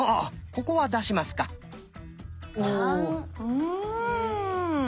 うん。